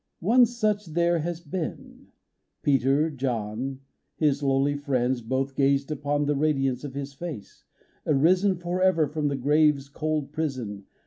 " One such there has been : Peter, John, His lowly friends, both gazed upon The radiance of His face, arisen Forever from the grave's cold prison.